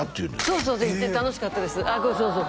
そうそうそう楽しかったですああそうそう